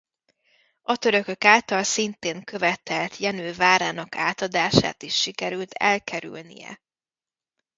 A törökök által szintén követelt Jenő várának átadását is sikerült elkerülnie.